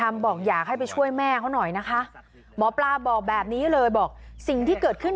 ไม่อยากให้แม่เป็นอะไรไปแล้วนอนร้องไห้แท่ทุกคืน